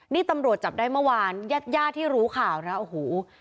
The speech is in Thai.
นี่ตำรวจจับได้เมื่อวานญาติญาติที่รู้ข่าวนะโอ้โห